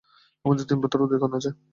তাদের তিন পুত্র ও দুই কন্যা আছে।